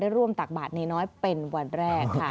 ร่วมตักบาทในน้อยเป็นวันแรกค่ะ